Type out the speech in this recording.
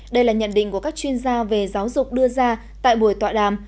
đây là nhận định của các chuyên gia về giáo dục đưa ra tại buổi tọa đàm